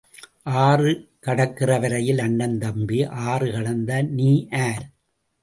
ஆறு கடக்கிறவரையில் அண்ணன் தம்பி ஆறு கடந்தால் நீ ஆர்?